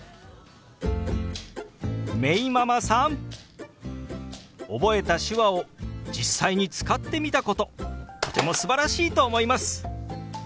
めいママさん覚えた手話を実際に使ってみたこととてもすばらしいと思います。